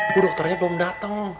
bu dokternya belum dateng